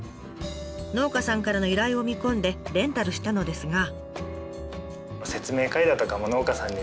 農家さんからの依頼を見込んでレンタルしたのですが。